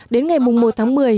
đến ngày một tháng một mươi